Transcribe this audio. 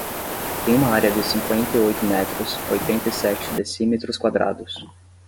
Tem uma área de cinquenta e oito metros, oitenta e sete decímetros quadrados.